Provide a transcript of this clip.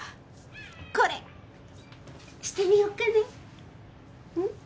これしてみよっかねうん？